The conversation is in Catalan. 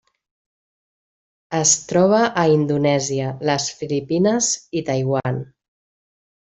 Es troba a Indonèsia, les Filipines i Taiwan.